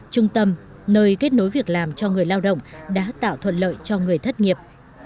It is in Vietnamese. trung tâm nơi kết nối việc làm cho người lao động đã tạo thuận lợi cho người thất nghiệp